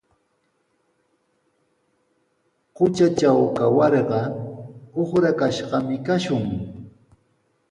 Hutratraw kawarqa uqrakashqami kashun.